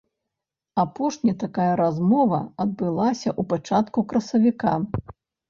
Апошні такая размова адбылася ў пачатку красавіка.